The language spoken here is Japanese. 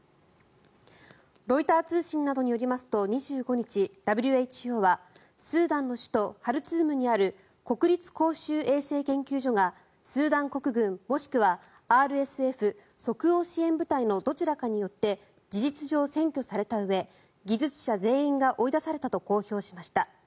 ロイター通信などによりますと２５日、ＷＨＯはスーダンの首都ハルツームにある国立公衆衛生研究所がスーダン国軍もしくはＲＳＦ・即応支援部隊のどちらかによって事実上、占拠されたうえ技術者全員が追い出されたと公表しました。